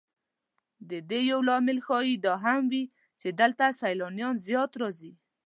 د دې یو لامل ښایي دا هم وي چې دلته سیلانیان زیات راځي.